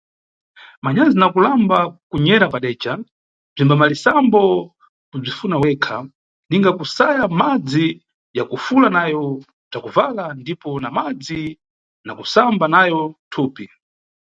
Manyazi na kulamba kunyera padeca bzimbamalisambo kubzifuna wekha, ninga kusaya madzi ya kufula nayo bzakubvala ndipo na madzi na kusamba nayo thupi.